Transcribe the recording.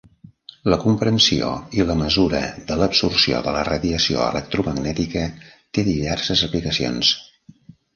La comprensió i la mesura de l'absorció de la radiació electromagnètica té diverses aplicacions.